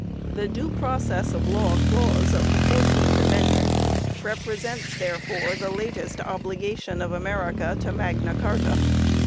The due process of law clause of the Fourteenth Amendment represents, therefore, the latest obligation of America to Magna Carta.